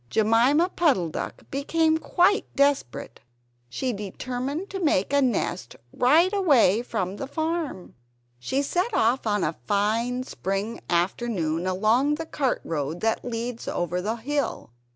Jemima Puddle duck became quite desperate. She determined to make a nest right away from the farm. She set off on a fine spring afternoon along the cart road that leads over the hill.